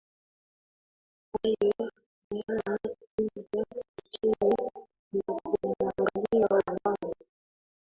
Hayo hayana tija kwa nchi Unapomwangalia Obama